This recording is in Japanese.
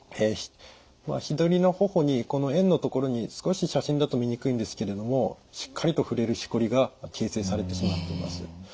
左の頬にこの円の所に少し写真だと見にくいんですけれどもしっかりと触れるしこりが形成されてしまっています。